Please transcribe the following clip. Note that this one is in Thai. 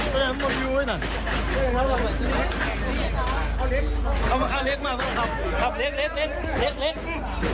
ครับเล็กเล็กเล็ก